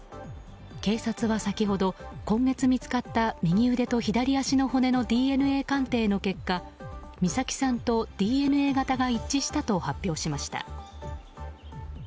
警察は先ほど、今月見つかった右腕と左足の骨のＤＮＡ鑑定の結果美咲さんとＤＮＡ型が一致したと発表しました。